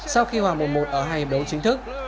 sau khi hòa một một ở hai hiệp đấu chính thức